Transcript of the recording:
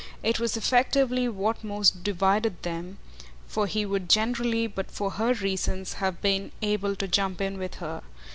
It was effectively what most divided them, for he would generally, but for her reasons, have been able to jump in with her.